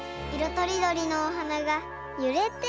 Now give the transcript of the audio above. とりどりのおはながゆれています。